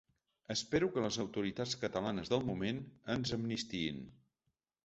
Espero que les autoritats catalanes del moment ens amnistiïn.